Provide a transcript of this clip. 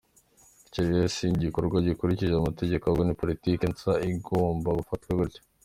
Bityo rero iki si igikorwa gikurikije amategeko ahubwo ni politiki nsa igomba gufatwa gutyo.”